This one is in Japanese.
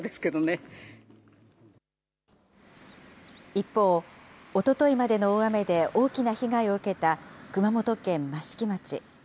一方、おとといまでの大雨で大きな被害を受けた熊本県益城町。